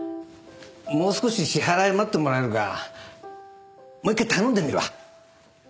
もう少し支払い待ってもらえるかもう一回頼んでみるわ。